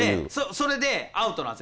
それでアウトなんです。